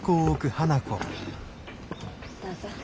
どうぞ。